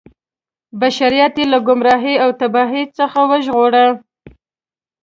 بشریت یې له ګمراهۍ او تباهۍ څخه وژغوره.